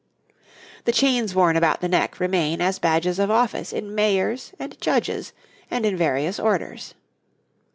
The chains worn about the neck remain as badges of office in Mayors and Judges and in various Orders.